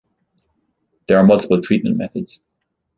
There are multiple treatment methods.